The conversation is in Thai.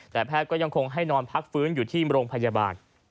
แต่แพทย์ก็ยังคงให้นอนพักฟื้นอยู่ที่โรงพยาบาล